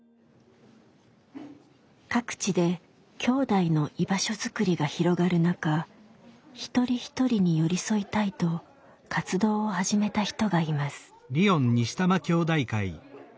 各地できょうだいの居場所づくりが広がる中一人一人に寄り添いたいと活動を始めた人がいます。